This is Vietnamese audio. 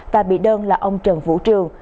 và bị đơn là ông trần vũ trường